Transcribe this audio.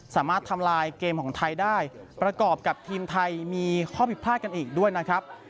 สามารถทำลายเกมของไทยได้ประกอบกับทีมไทยมีข้อผิดพลาดกันอีกด้วยนะครับ